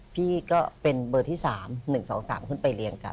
พี่ก็เป็นเบอร์ที่๓๑๒๓ขึ้นไปเรียงกัน